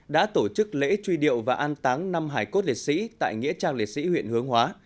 đã tổ chức lễ truy điệu và an táng năm hải cốt liệt sĩ tại nghĩa trang liệt sĩ huyện hướng hóa